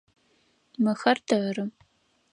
Мыхэр тэры.